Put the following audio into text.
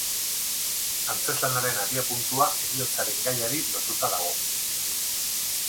Antzezlanaren abiapuntua heriotzaren gaiari lotuta dago.